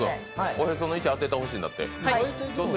おへその位置当ててほしいんだって。